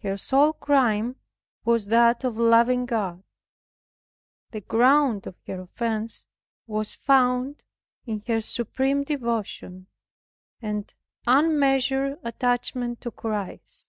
Her sole crime was that of loving God. The ground of her offense was found in her supreme devotion and unmeasured attachment to Christ.